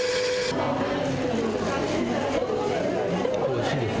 おいしいです。